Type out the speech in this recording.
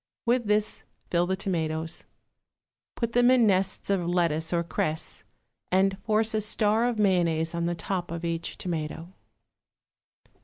With this fill the tomatoes, put them in nests of lettuce or cress, and force a star of mayonnaise on the top of each tomato.